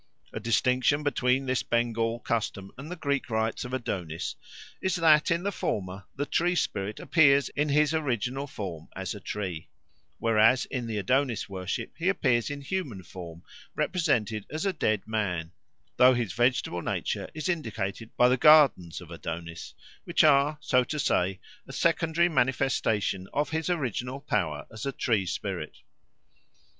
A distinction between this Bengal custom and the Greek rites of Adonis is that in the former the tree spirit appears in his original form as a tree; whereas in the Adonis worship he appears in human form, represented as a dead man, though his vegetable nature is indicated by the gardens of Adonis, which are, so to say, a secondary manifestation of his original power as a tree spirit.